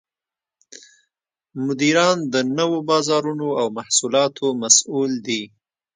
مدیران د نوو بازارونو او محصولاتو مسوول دي.